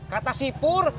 kata si pur